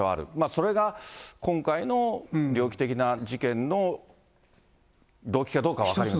それが今回の猟奇的な事件の動機かどうか分かりませんが。